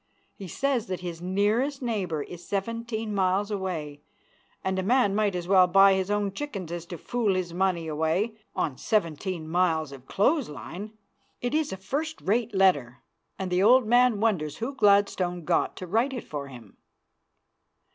He says that his nearest neighbor is seventeen miles away, and a man might as well buy his own chickens as to fool his money away on seventeen miles of clothes line. It is a first rate letter, and the old man wonders who Gladstone got to write it for him.